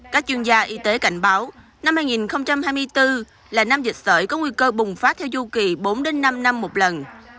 các chuyên gia y tế cảnh báo năm hai nghìn hai mươi bốn là năm dịch sởi có nguy cơ bùng phát theo du kỳ bốn năm năm một lần